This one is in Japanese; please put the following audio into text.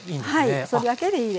はいそれだけでいいです。